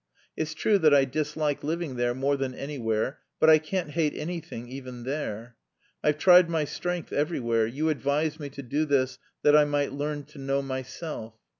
It's true that I dislike living there more than anywhere; but I can't hate anything even there! "I've tried my strength everywhere. You advised me to do this 'that I might learn to know myself.'